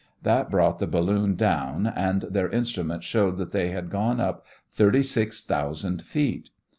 That brought the balloon down, and their instruments showed that they had gone up thirty six thousand feet.